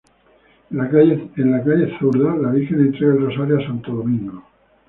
En la calle zurda la Virgen entrega el Rosario a Santo Domingo.